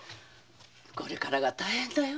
これからが大変だよ。